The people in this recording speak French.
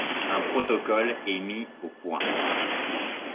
Un protocole est mis au point.